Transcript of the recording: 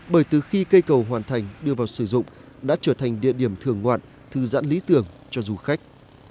bởi từ khi cây cầu hoàn thành đưa vào sử dụng đã trở thành địa điểm thưởng ngoạn thư giãn lý tưởng cho du khách